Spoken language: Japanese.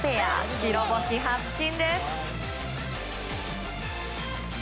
白星発進です。